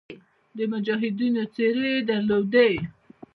د مجاهدینو څېرې یې درلودې.